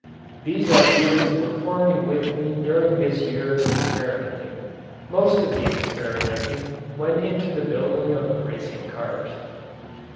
These ideas were forming with me during this year of experimenting. Most of the experimenting went into the building of racing cars.